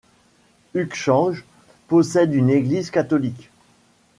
Uckange possède une église catholique.